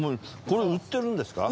これ売ってるんですか？